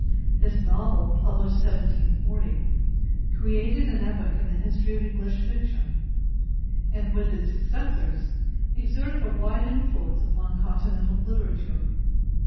This novel (published 1740) created an epoch in the history of English fiction, and, with its successors, exerted a wide influence upon Continental literature.